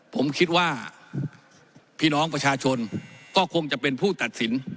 ผมคิดว่าพี่น้องประชาชนก็คงจะเป็นผู้ตัดสิน